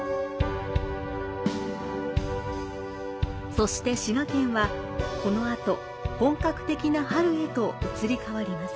そして滋賀県は、このあと本格的な春へと移り変わります。